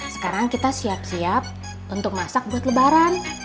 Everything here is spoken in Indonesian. sekarang kita siap siap untuk masak buat lebaran